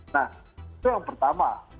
nah itu yang pertama